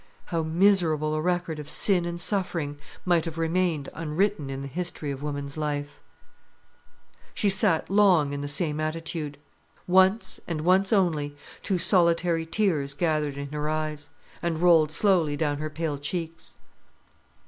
How miserable a record of sin and suffering might have remained unwritten in the history of woman's life! She sat long in the same attitude. Once, and once only, two solitary tears gathered in her eyes, and rolled slowly down her pale cheeks.